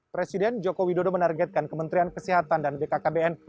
presiden joko widodo menargetkan kementerian kesehatan dan bkkbn